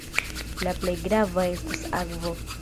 La plej grava estas akvo.